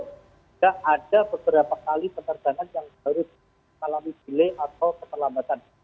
tidak ada beberapa kali penerbangan yang harus mengalami delay atau keterlambatan